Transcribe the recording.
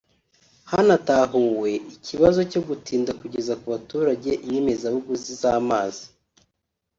Hanatahuwe ikibazo cyo gutinda kugeza ku baturage inyemezabuguzi z’amazi